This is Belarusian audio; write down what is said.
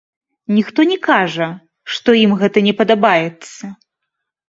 Ніхто не кажа, што ім гэта не падабаецца.